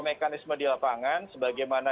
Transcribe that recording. mekanisme di lapangan sebagaimana